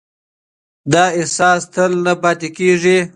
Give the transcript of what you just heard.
دا احساس تل نه پاتې کېږي.